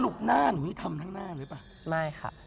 สรุปหน้าหนูนี่ทำทั้งหน้าเลยหรือเปล่าไม่ค่ะ